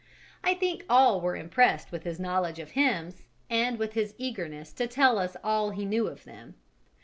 I think all were impressed with his knowledge of hymns and with his eagerness to tell us all he knew of them.